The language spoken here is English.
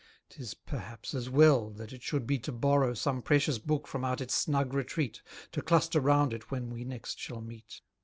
'Tis perhaps as well that it should be to borrow Some precious book from out its snug retreat, To cluster round it when we next shall meet.